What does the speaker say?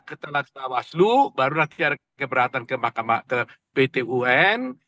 ketelah waslu baru nanti ada keberatan ke pt un